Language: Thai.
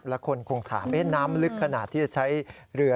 แล้วคนคงถามน้ำลึกขนาดที่จะใช้เรือ